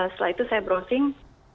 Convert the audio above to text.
setelah itu saya browsing